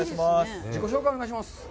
自己紹介をお願いします。